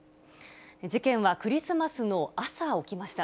事件はクリスマスの朝起きました。